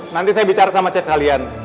nanti saya bicara sama chef kalian